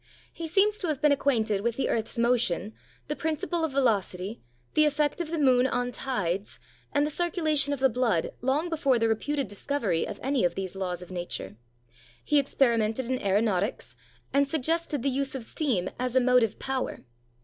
He seems to have been acquainted with the earth's motion, the principle of velocity, the effect of the moon on tides, and the circula tion of the blood long before the reputed discovery of any of these laws of nature. He experimented in aeronautics, and suggested the use of steam as a motive power.